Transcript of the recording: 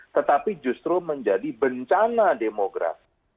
tetapi justru menjadi bencana demografi